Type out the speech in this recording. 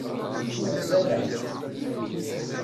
Ddu qbala.